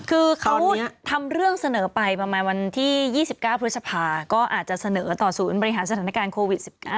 คือเขาทำเรื่องเสนอไปประมาณวันที่๒๙พฤษภาก็อาจจะเสนอต่อศูนย์บริหารสถานการณ์โควิด๑๙